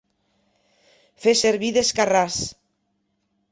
Fer servir d'escarràs.